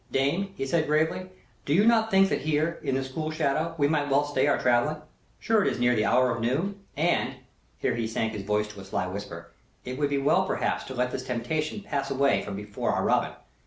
"Dame," said he, gravely, "do you not think that here, in this cool shadow, we might well stay our travelling? Surely it is near the hour of noon? And," here he sank his voice to a sly whisper, "it would be well perhaps to let this temptation pass away from before our Robin!